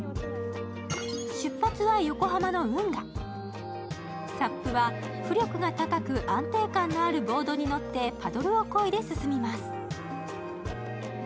出発は横浜の運河、ＳＵＰは浮力が高く、安定感のあるボードに乗って、パドルをこいで進みます。